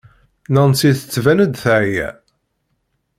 Nancy tettban-d teεya.